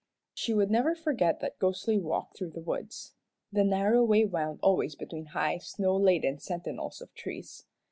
She would never forget that ghostly walk through the woods. The narrow way wound always between high snow laden sentinels of trees.